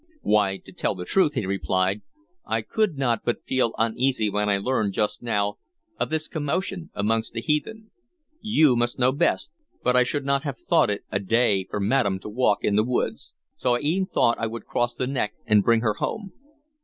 "Why, to tell the truth," he replied, "I could not but feel uneasy when I learned just now of this commotion amongst the heathen. You must know best, but I should not have thought it a day for madam to walk in the woods; so I e'en thought I would cross the neck and bring her home."